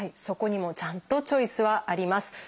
そこにもちゃんとチョイスはあります。